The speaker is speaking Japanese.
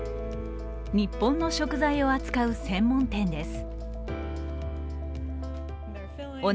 日本の食材を扱う専門店です。